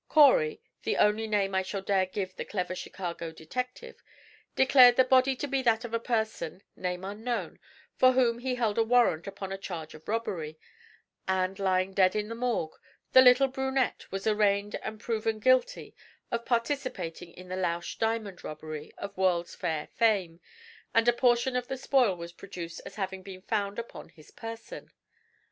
Corey, the only name I shall dare give the clever Chicago detective, declared the body to be that of a person, name unknown, for whom he held a warrant upon a charge of robbery; and, lying dead in the Morgue, the 'little brunette' was arraigned and proven guilty of participating in the Lausch diamond robbery, of World's Fair fame, and a portion of the spoil was produced as having been found upon his person.